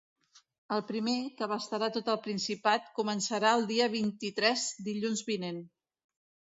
El primer, que abastarà tot el Principat, començarà el dia vint-i-tres, dilluns vinent.